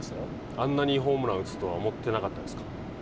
あんなにホームランを打つとは思ってなかったですか。